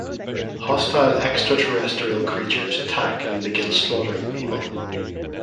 Hostile extraterrestrial creatures attack and begin slaughtering people.